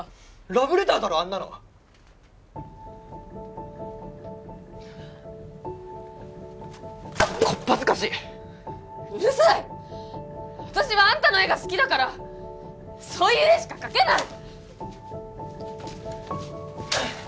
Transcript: ラブレターだろあんなのこっぱずかしいうるさい私はあんたの絵が好きだからそういう絵しか描けない！